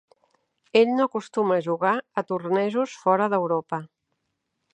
Ell no acostuma a jugar a tornejos fora d'Europa.